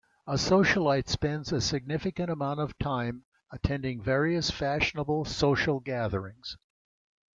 A socialite spends a significant amount of time attending various fashionable social gatherings.